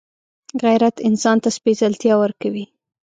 غیرت انسان ته سپېڅلتیا ورکوي